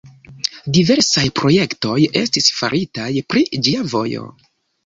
Diversaj projektoj estis faritaj pri ĝia vojo.